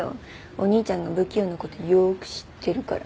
お兄ちゃんが不器用な事はよーく知ってるから。